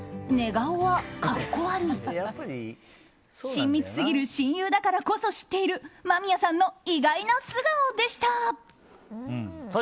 親密すぎる親友だからこそ知っている間宮さんの意外な素顔でした。